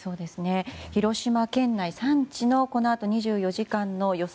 広島県内のこのあと２４時間の予想